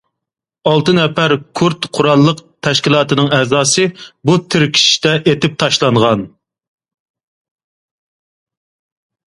ئالتە نەپەر كۇرد قوراللىق تەشكىلاتىنىڭ ئەزاسى بۇ تىركىشىشتە ئېتىپ تاشلانغان.